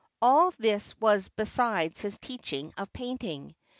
All this was besides his teaching of painting.